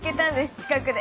近くで。